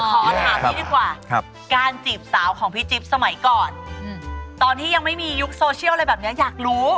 ขอถามพี่ดีกว่าการจีบสาวของพี่จิ๊บสมัยก่อนตอนที่ยังไม่มียุคโซเชียลอะไรแบบนี้อยากรู้